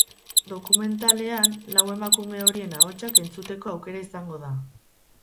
Dokumentalean lau emakume horien ahotsak entzuteko aukera izango da.